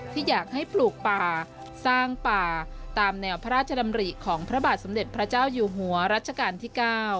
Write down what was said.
ที่อยากให้ปลูกป่าสร้างป่าตามแนวพระราชดำริของพระบาทสมเด็จพระเจ้าอยู่หัวรัชกาลที่๙